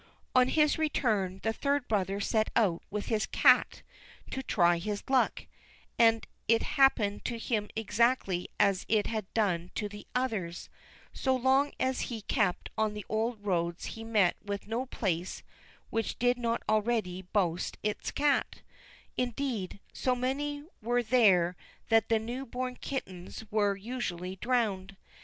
On his return the third brother set out with his cat to try his luck, and it happened to him exactly as it had done to the others; so long as he kept on the old roads he met with no place which did not already boast its cat; indeed, so many were there that the new born kittens were usually drowned.